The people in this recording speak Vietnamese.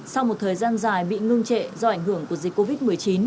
sau một thời gian dài bị ngưng trệ do ảnh hưởng của dịch covid một mươi chín